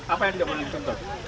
apa yang tidak boleh disitu